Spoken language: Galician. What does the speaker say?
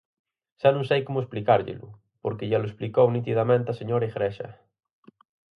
Xa non sei como explicárllelo, porque llelo explicou nitidamente a señora Igrexa.